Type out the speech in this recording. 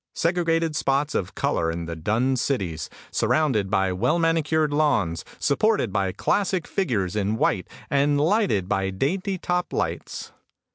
Segregated spots of color in the dun cities, surrounded by well manicured lawns, supported by classic figures in white and lighted by dainty top lights.